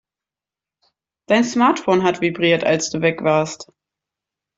Dein Smartphone hat vibriert, als du weg warst.